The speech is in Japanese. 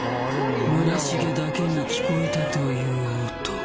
村重だけに聞こえたという音